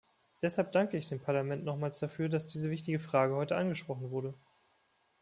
Deshalb danke ich dem Parlament nochmals dafür, dass diese wichtige Frage heute angesprochen wurde.